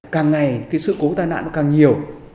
càng ngày sự cố tai nạn càng nhiều